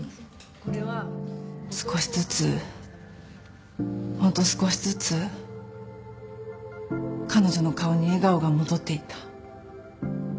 少しずつホント少しずつ彼女の顔に笑顔が戻っていった。